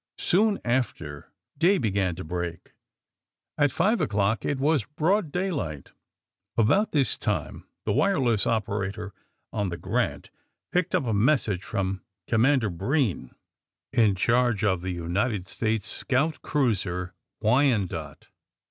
Soon after day began to break. At five o'clock it was broad daylight. About this time the wireless operator on the ^^Granf picked up a message from Commander Breen, in charge of the United States Scout Cruiser ^^Wyanoke."